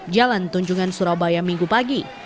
jalan tunjungan surabaya minggu pagi